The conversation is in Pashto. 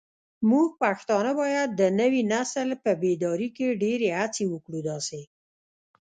موږ پښتانه بايد د نوي نسل په بيداري کې ډيرې هڅې وکړو داسې